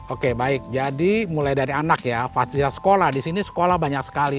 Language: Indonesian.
oke baik jadi mulai dari anak ya fasilitas sekolah di sini sekolah banyak sekali